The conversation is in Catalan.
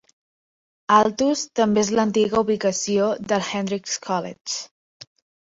Altus també és l'antiga ubicació del Hendrix College.